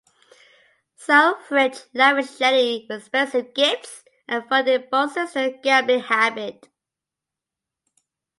Selfridge lavished Jenny with expensive gifts and funded both sisters' gambling habit.